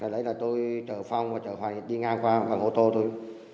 lấy là tôi chở phong và chở hoài đi ngang qua bằng ô tô thôi